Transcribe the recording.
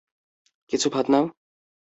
কিছু ভাত নাও?